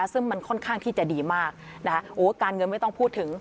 ซึ่งมันค่อนข้างที่จะดีมากนะคะโอ้การเงินไม่ต้องพูดถึง